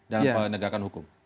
dalam penegakan hukum